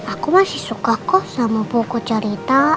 aku masih suka kok sama buku cerita